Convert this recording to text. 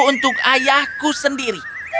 untuk ayahku sendiri